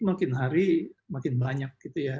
makin hari makin banyak gitu ya